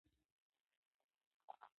آیا د ایران ټولنیز ژوند بدلون نه دی موندلی؟